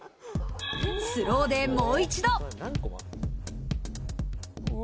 スローでもう一度。